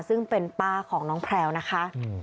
ซึ่งเป็นป้าของน้องแพลวนะคะ